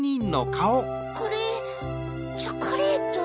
これチョコレート？